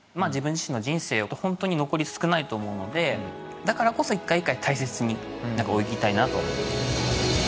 自身の人生残り少ないと思うのでだからこそ１回１回大切に泳ぎたいなと。